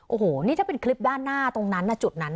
โอ้โหนี่ถ้าเป็นคลิปด้านหน้าตรงนั้นนะจุดนั้น